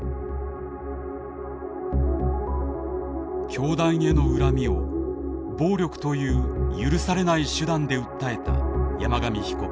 教団への恨みを暴力という許されない手段で訴えた山上被告。